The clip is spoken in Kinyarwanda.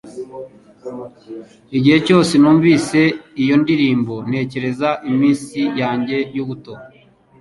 Igihe cyose numvise iyo ndirimbo, ntekereza iminsi yanjye y'ubuto